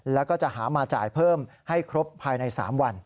แล้วก็จะหามาจ่ายเพิ่มให้ครบภายใน๓วัน